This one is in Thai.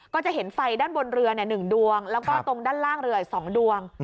ก็จะเห็นไฟด้านบนเรือ๑ดวงแล้วก็ตรงด้านล่างเรืออีก๒ดวง